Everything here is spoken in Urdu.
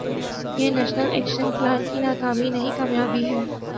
یہ نیشنل ایکشن پلان کی ناکامی نہیں، کامیابی ہے۔